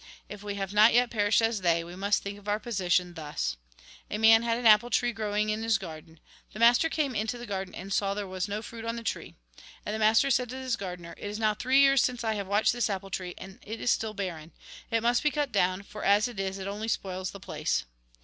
If we have not yet perished as they, we must think of our position, thus :" A man had an apple tree growing in his garden. The master came into the garden, and saw there was no fruit on the tree. And the master said to his gardener :' It is now three years since I have watched this apple tree, and it is still barren. It must be cut down, for as it is, it only spoils the place.